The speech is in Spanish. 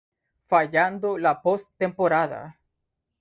Fallando la post-temporada.